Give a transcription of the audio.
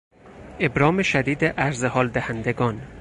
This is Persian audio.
ابرام شدید عرضحال دهندگان